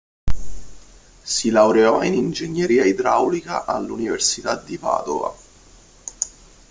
Si laureò in ingegneria idraulica all'Università di Padova.